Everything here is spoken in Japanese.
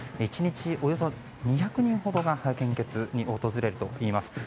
１日およそ２００人ほどが献血に訪れています。